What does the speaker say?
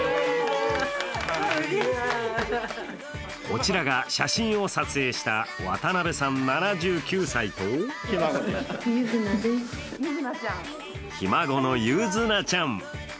こちらが、写真を撮影した渡辺さん７９歳とひ孫の柚南ちゃん。